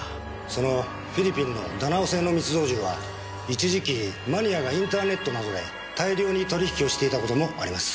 そのフィリピンのダナオ製の密造銃は一時期マニアがインターネットなどで大量に取引をしていた事もあります。